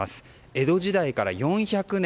江戸時代から４００年